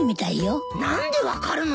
何で分かるのさ。